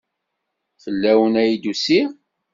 Fell-awen ay d-usiɣ.